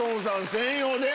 専用で⁉